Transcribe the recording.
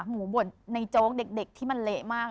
หมูบดในโจ๊กเด็กที่มันเละมาก